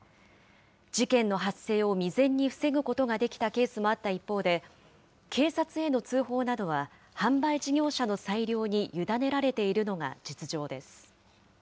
事件の発生を未然に防ぐことができたケースもあった一方で、警察への通報などは販売事業者の裁量に委ねられているのが実情です。